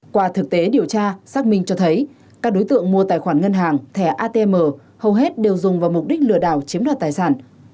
qua thực tế điều tra xác minh cho thấy các đối tượng mua tài khoản ngân hàng thẻ atm hầu hết đều dùng vào mục đích lừa đảo chiếm đoạt tài sản